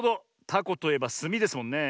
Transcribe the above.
タコといえばすみですもんね。